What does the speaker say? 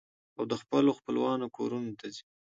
او د خپلو خپلوانو کورنو ته ځي.